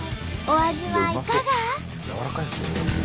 お味はいかが？